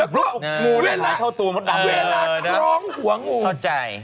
พวกงูละครองหัวงูเท่าใจ